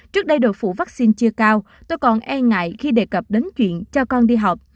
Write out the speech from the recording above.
trước đây đội phủ vaccine chưa cao tôi còn e ngại khi đề cập đến chuyện cho con đi học